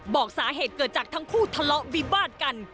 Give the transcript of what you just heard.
บอกสาเหตุเกิดจากทั้งคู่ทะเลาะวิวาดกัน